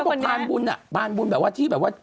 เพราะว่าพานบุญแบบว่าด้วย